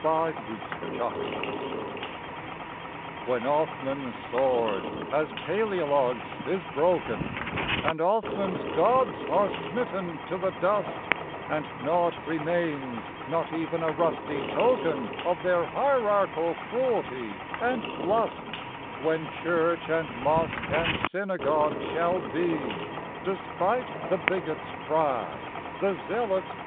21 CONSTANTINOPLE When Othman's sword, as Paleologue's, is broken And Othman's gods are smitten to the dust, And naught remains, not even a rusty token Of their hierarchal cruelty and lust;— When church and mosque and synagogue shall be, Despite the bigot's cry, the zealot's